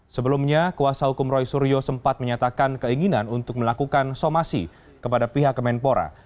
sebelumnya kuasa hukum roy suryo sempat menyatakan keinginan untuk melakukan somasi kepada pihak kemenpora